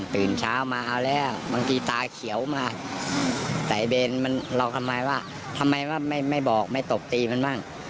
กระตงเท่าไม่เอาแหละบางทีตราเขียวมาแต่เบนหลอกทำไมว่าทำไมไม่บอกหรือไม่ตบตีมันบ้าง